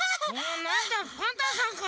なんだパンタンさんか。